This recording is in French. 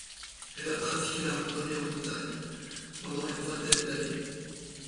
Elle a pratiqué la randonnée en montagne pendant une vingtaine d'années.